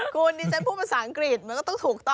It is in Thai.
คุณดิฉันพูดภาษาอังกฤษมันก็ต้องถูกต้อง